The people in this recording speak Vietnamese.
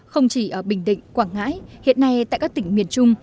không chỉ ở bình định quảng ngãi hiện nay tại các tỉnh miền trung